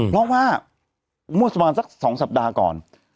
เพราะว่ามั่วสมัยสัก๒สัปดาห์ก่อน